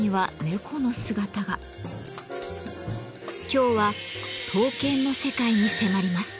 今日は刀剣の世界に迫ります。